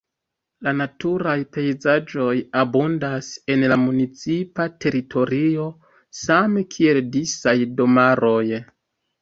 La naturaj pejzaĝoj abundas en la municipa teritorio same kiel disaj domaroj.